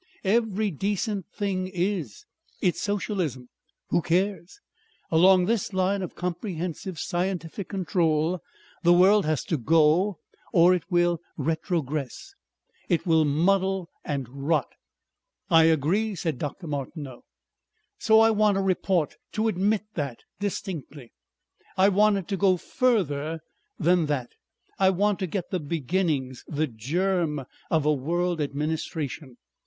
Every decent thing is. It's socialism. Who cares? Along this line of comprehensive scientific control the world has to go or it will retrogress, it will muddle and rot...." "I agree," said Dr. Martineau. "So I want a report to admit that distinctly. I want it to go further than that. I want to get the beginnings, the germ, of a world administration.